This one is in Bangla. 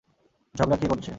ঝগড়া কে করছে?